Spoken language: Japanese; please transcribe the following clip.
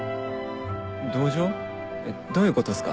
同情？どういうことっすか？